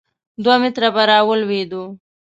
دوه متره به را ولوېدو.